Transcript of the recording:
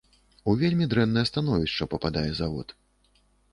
У вельмі дрэннае становішча пападае завод.